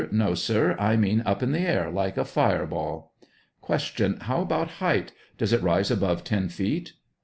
No, sir ; I mean up in the air, like a fire ball. Q. How about height; does it rise above ten feet?